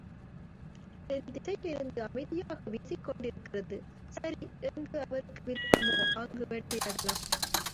தென் திசையிலிருந்து அமைதியாக வீசிக்கொண்டிருக்கிறது. சரி, எங்கு அவருக்கு விருப்பமோ, அங்கு வேட்டையாடலாம்.